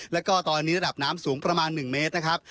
แล้วก็ตอนนี้ระดับน้ำสูงประมาณ๑เมตรนะครับ